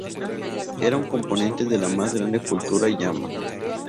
Era un componente de la más grande cultura yamna.